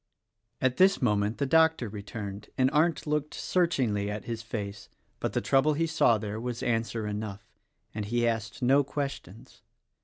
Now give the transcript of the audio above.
At this moment the doctor returned, and Arndt looked searchingly at his face; but the trouble he saw there was answer enough, and he asked no questions.